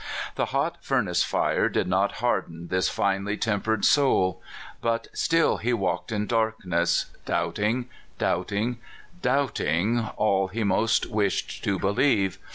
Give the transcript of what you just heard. The hot furnace fire did not harden this finely tempered soul. But still he walked in darkness, doubting, doubting, doubting all he most wished to believe.